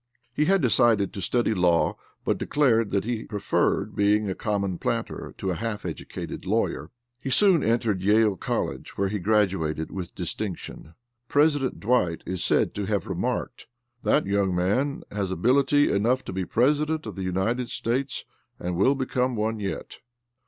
He had decided to study law, but declared that he preferred being a common planter to a half educated lawyer. He soon entered Yale College, where he graduated with distinction. President Dwight is said to have remarked 'That young man has ability enough to be President of the United States and will become one yet.'